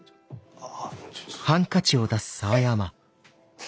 ああ。